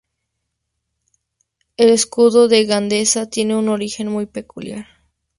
El escudo de Gandesa tiene un origen muy peculiar.